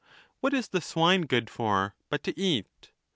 What is the swine good for but to eat